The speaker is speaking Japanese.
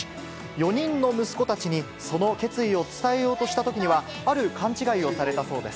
４人の息子たちに、その決意を伝えようとしたときには、ある勘違いをされたそうです。